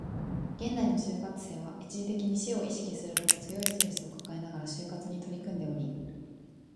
現代の就活生は、一時的に死を意識するほど強いストレスを抱えながら就活に取り組んでおり